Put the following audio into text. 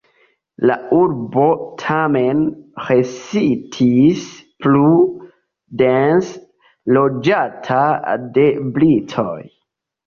La urbo tamen restis plu dense loĝata de britoj.